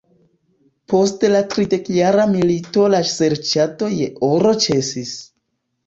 Post la Tridekjara milito la serĉado je oro ĉesis.